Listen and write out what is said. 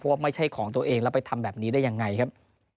ว่าไม่ใช่ของตัวเองแล้วไปทำแบบนี้ได้ยังไงครับ